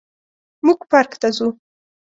موږ پارک ته ځو